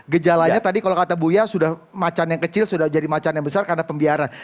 gejalanya tadi kalau kata buya sudah macan yang kecil sudah jadi macan yang besar karena pembiaran